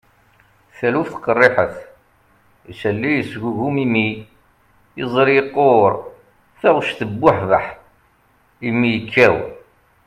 taluft qerriḥet, isalli yesgugum imi, iẓri yeqquṛ, taɣect tebbuḥbeḥ, imi yekkaw